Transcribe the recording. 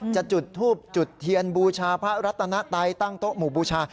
จุดทูบจุดเทียนบูชาพระรัตนไตตั้งโต๊ะหมู่บูชา